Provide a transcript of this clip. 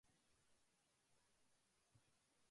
カメレオンは実は虹色の亀だと思っています